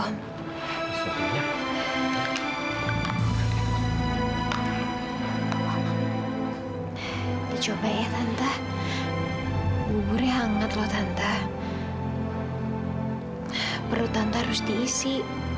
hai semuanya di coba ya tante bubur yang hangat loh tante perut tante harus diisi